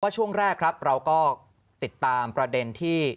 ช่วงแรกครับเราก็ติดตามประเด็นที่